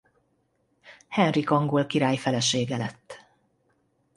Henrik angol király felesége lett.